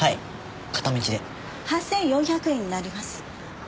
８４００円になります。